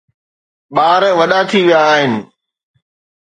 ٻار وڏا ٿي ويا آهن.